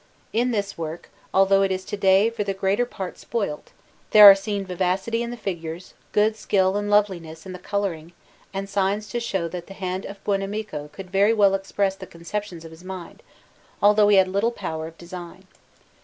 In this work, although it is to day for the greater part spoilt, there are seen vivacity in the figures, good skill and loveliness in the colouring, and signs to show that the hand of Buonamico could very well express the conceptions of his mind, although he had little power of design.